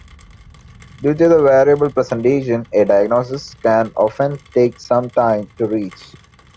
Due to the variable presentation, a diagnosis can often take some time to reach.